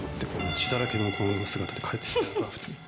血だらけの姿で帰ってきて、普通に。